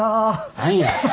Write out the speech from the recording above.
何や。